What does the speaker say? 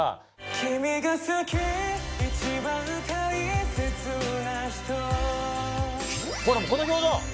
君が好き一番大切な人ほらもうこの表情！